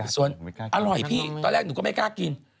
ส่วนอร่อยพี่ตอนแรกหนูก็ไม่กล้ากิน